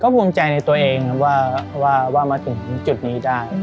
ภูมิใจในตัวเองครับว่ามาถึงจุดนี้ได้